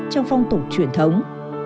trong phong tục truyền thống